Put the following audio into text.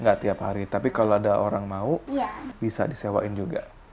nggak tiap hari tapi kalau ada orang mau bisa disewain juga